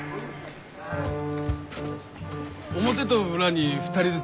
表と裏に２人ずつ。